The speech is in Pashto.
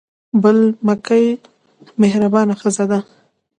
بل مکۍ مهربانه ښځه ده.